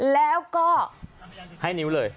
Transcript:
แล้วก็ยิงไว้ใหม้อย่างนึง